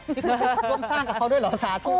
ด้วยเขาด้วยเหรอสาธุใหญ่